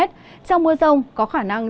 trong mưa rông có khả năng